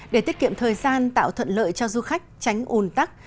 để tiết kiệm thời gian tạo thuận lợi cho du khách tránh ồn tắc